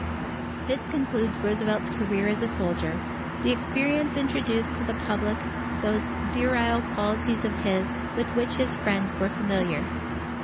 This concluded Roosevelt's career as a soldier. The experience introduced to the Public those virile qualities of his, with which his friends were familiar.